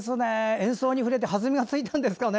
演奏に触れて弾みがついたんですかね。